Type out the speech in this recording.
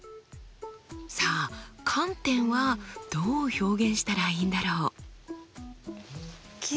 さあ観点はどう表現したらいいんだろう？